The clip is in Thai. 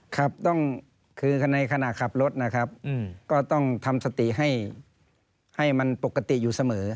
ครับต้องคือในขณะขับรถนะครับก็ต้องทำสติให้มันปกติอยู่เสมอ